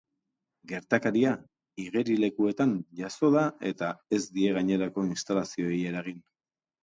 Gertakaria igerilekuetan jazo da eta ez die gainerako instalazioei eragin.